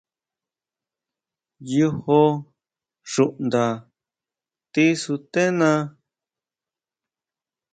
Yojó xunda tisutena.